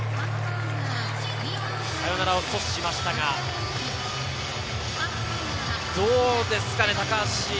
サヨナラを阻止しましたが、どうですかね。